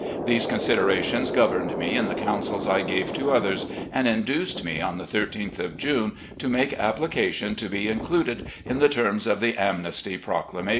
These consider ations governed me in the cotmsels I gave to others, and induced me on the 13th of June to make application to be included in the terms of the amnesty proclama tion.